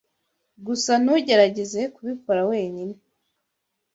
Gusa ntugerageze kubikora wenyine.